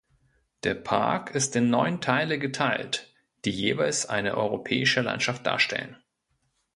Der Park ist in neun Teile geteilt, die jeweils eine europäische Landschaft darstellen.